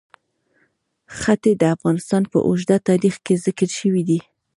ښتې د افغانستان په اوږده تاریخ کې ذکر شوی دی.